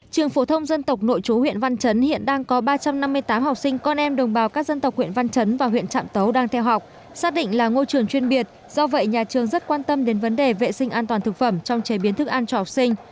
trường phổ thông dân tộc nội chú huyện văn chấn hiện đang có ba trăm năm mươi tám học sinh con em đồng bào các dân tộc huyện văn chấn và huyện trạm tấu đang theo học xác định là ngôi trường chuyên biệt do vậy nhà trường rất quan tâm đến vấn đề vệ sinh an toàn thực phẩm trong chế biến thức ăn cho học sinh